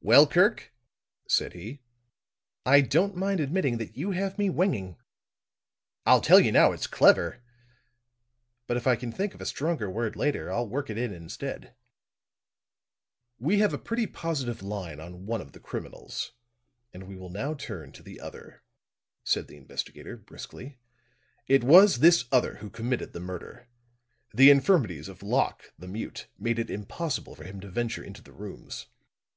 "Well, Kirk," said he. "I don't mind admitting that you have me winging. I'll tell you now it's clever; but if I can think of a stronger word later, I'll work it in instead." "We have a pretty positive line on one of the criminals, and we will now turn to the other," said the investigator, briskly. "It was this other who committed the murder. The infirmities of Locke, the mute, made it impossible for him to venture into the rooms.